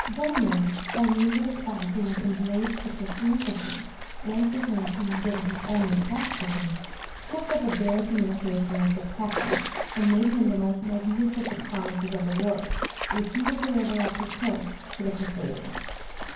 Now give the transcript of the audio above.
Bohemund, by means of a spy who had embraced the Christian religion, and to whom he had given his own name at baptism, kept up a daily communication with this captain, and made him the most magnificent promises of reward, if he would deliver up his post to the Crusaders.